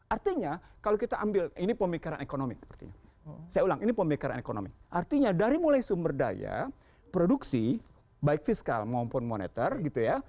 artinya kalau kita ambil ini pemikiran ekonomi sepertinya saya ulang ini pemikiran ekonomi artinya dari mulai sumber daya produksi baik fiskal maupun moneter gitu ya